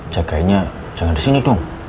jagainnya jangan di sini dong